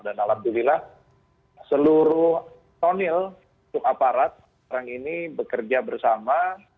dan alhamdulillah seluruh tonil suaparat sekarang ini bekerja bersama